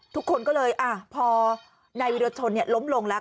ทุกคนก็เลยพอนายวิรชนล้มลงแล้ว